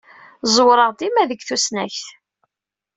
Ẓewreɣ dima deg tusnakt.